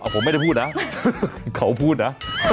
ผมไม่ได้พูดนะเขาพูดนะ